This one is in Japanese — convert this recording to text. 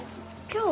今日？